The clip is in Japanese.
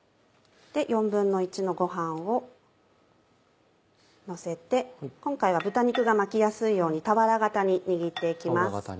１／４のご飯をのせて今回は豚肉が巻きやすいように俵形に握って行きます。